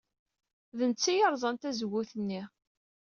D netta ay yerẓan tazewwut-nni.